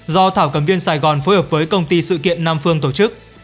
do thảo cầm viên sài gòn phối hợp với công ty sự kiện nam phương tổ chức